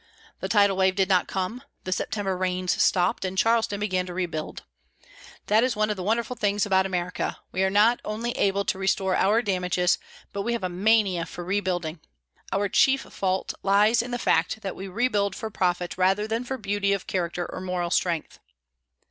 The tidal wave did not come; the September rains stopped, and Charleston began to rebuild. That is one of the wonderful things about America; we are not only able to restore our damages, but we have a mania for rebuilding. Our chief fault lies in the fact that we rebuild for profit rather than for beauty of character or moral strength.